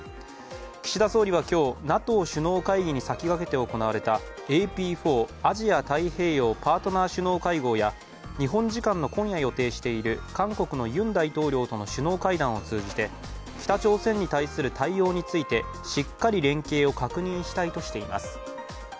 岸田総理は今日、ＮＡＴＯ首脳会議に先駆けて行われたＡＰ４＝アジア太平洋パートナー首脳会合や、日本時間の今夜予定している韓国のユン大統領との首脳会談を通じて北朝鮮に対する対応について、しっかり連携を確認したいとしています。